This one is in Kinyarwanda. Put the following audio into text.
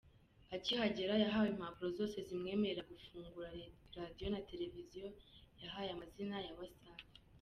Akihagera yahawe impapuro zose zimwemerera gufungura Radio na Televiziyo yahaye amazina ya Wasafi .